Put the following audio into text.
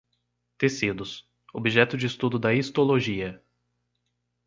Tecidos: objeto de estudo da histologia